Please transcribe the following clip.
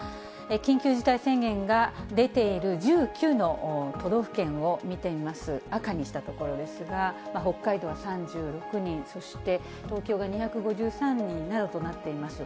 緊急事態宣言が出ている１９の都道府県を見てみます、赤にした所ですが、北海道は３６人、そして東京が２５３人などとなっています。